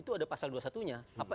kita harus berbicara tentang hal ini